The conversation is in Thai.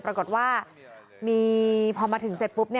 ปรากฏว่ามีพอมาถึงเสร็จปุ๊บ